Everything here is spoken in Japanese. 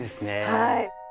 はい。